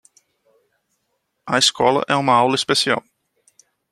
A escola é uma aula especial